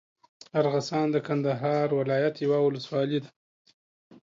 ارغسان د کندهار ولايت یوه اولسوالي ده.